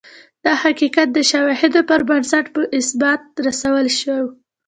دا حقیقت د شواهدو پر بنسټ په اثبات رسولای شو